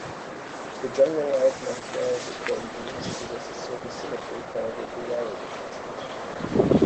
The generalized Maxwell's equations possess a certain symmetry, called a "duality transformation".